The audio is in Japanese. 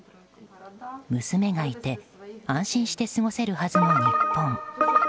娘がいて安心して過ごせるはずの日本。